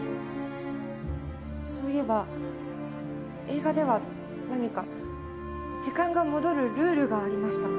そういえば映画では何か時間が戻るルールがありました。